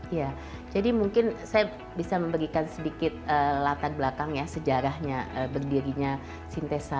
ya jadi mungkin saya bisa memberikan sedikit latar belakang ya sejarahnya berdirinya sintesa